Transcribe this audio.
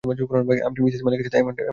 আপনি মিসেস মালিকার সাথে এমনটা করবেন না তো।